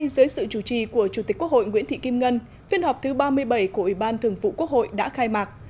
dưới sự chủ trì của chủ tịch quốc hội nguyễn thị kim ngân phiên họp thứ ba mươi bảy của ủy ban thường vụ quốc hội đã khai mạc